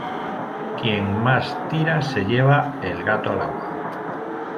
Quien más tira, se lleva el gato al agua.